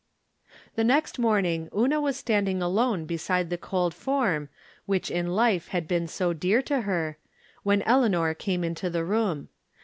The next morning Una was standing alone be side the cold form which in life had been so dear to her, when Eleanor came into the room.